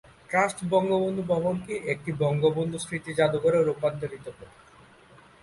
Trust Bangabandhu ভবনকে একটি বঙ্গবন্ধু স্মৃতি জাদুঘরে রূপান্তরিত করে।